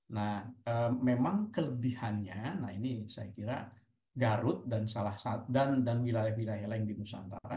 nah memang kelebihannya ini saya kira garut dan wilayah wilayah lain di nusantara